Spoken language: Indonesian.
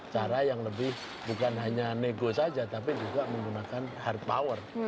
cara yang lebih bukan hanya nego saja tapi juga menggunakan hard power